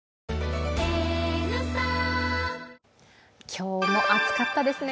今日も暑かったですね。